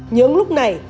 những lúc này